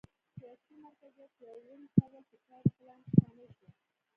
سیاسي مرکزیت پیاوړي کول په کاري پلان کې شامل شو.